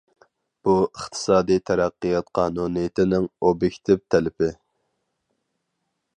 بۇ، ئىقتىسادىي تەرەققىيات قانۇنىيىتىنىڭ ئوبيېكتىپ تەلىپى.